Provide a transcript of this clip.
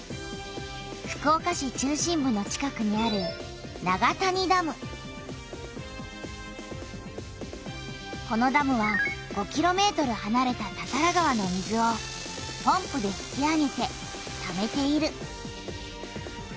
福岡市中心部の近くにあるこのダムは５キロメートルはなれた多々良川の水をポンプで引き上げてためている。